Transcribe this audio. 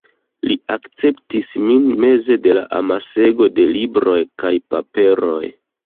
Li akceptis min meze de amasego de libroj kaj paperoj.